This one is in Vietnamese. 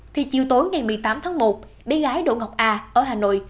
thì chiều tối ngày một mươi tám tháng một bé gái đỗ ngọc a ở hà nội